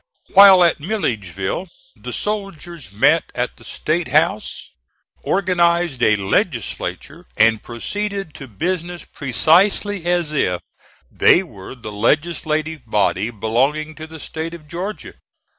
While at Milledgeville the soldiers met at the State House, organized a legislature, and proceeded to business precisely as if they were the legislative body belonging to the State of Georgia.